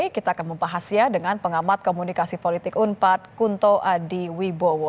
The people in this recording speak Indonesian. kita akan membahasnya dengan pengamat komunikasi politik unpad kunto adiwibowo